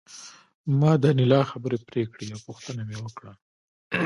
ما د انیلا خبرې پرې کړې او پوښتنه مې وکړه